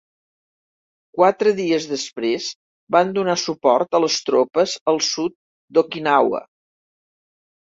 Quatre dies després, van donar suport a les tropes al sud d'Okinawa